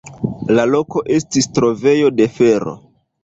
La loko estis trovejo de fero.